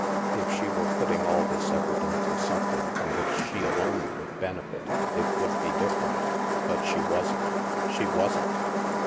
If she were putting all this effort into something from which she alone would benefit, it would be different But she wasn't! She wasn't